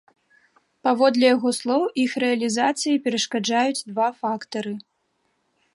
Паводле яго слоў, іх рэалізацыі перашкаджаюць два фактары.